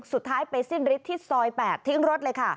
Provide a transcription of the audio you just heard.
สุดท้ายไปสิ้นฤทธิ์ที่ซอย๘ทิ้งรถเลยค่ะ